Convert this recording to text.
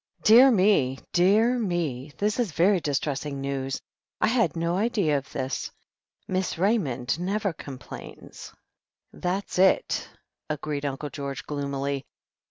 "Dear me, dear me. This is very distressing news. I had no idea of this. Miss Raymond never com plains." "That's it," agreed Uncle George gloomily.